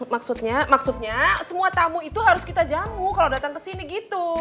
maksudnya maksudnya semua tamu itu harus kita jamu kalau dateng kesini gitu